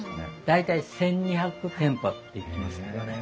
大体１，２００店舗っていってますけどね。